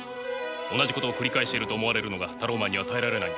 同じことを繰り返していると思われるのがタローマンには耐えられないんです。